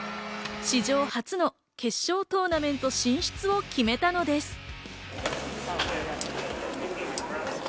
史上初の決勝トーナメント進出を決めたのです。